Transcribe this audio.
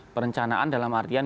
perencanaan dalam artian misalnya